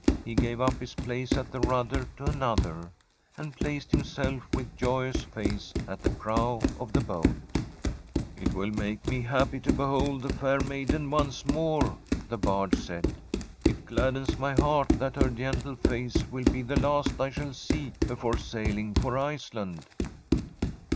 He gave up his place at the rudder to another, and placed himself with joyous face at the prow of the boat ' It will make me happy to behold the bur maiden once more/ the Bard said. ' It gladdens my heart that her gentle face will be the last I shall see before sailing for Iceland.'